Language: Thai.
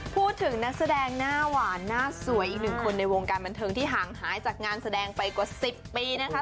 พูดถึงนักแสดงหน้าหวานหน้าสวยอีกหนึ่งคนในวงการบันเทิงที่ห่างหายจากงานแสดงไปกว่า๑๐ปีนะคะ